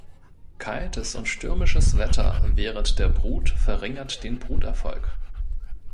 Kaltes und stürmisches Wetter während der Brut verringert den Bruterfolg.